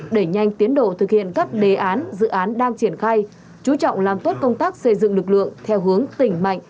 đẩy nhanh tiến độ thực hiện các đề án dự án đang triển khai chú trọng làm tốt công tác xây dựng lực lượng theo hướng tỉnh mạnh